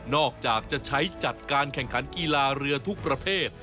อกจากจะใช้จัดการแข่งขันกีฬาเรือทุกประเภท